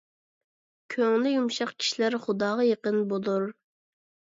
كۆڭلى يۇمشاق كىشىلەر خۇداغا يېقىن بولۇر.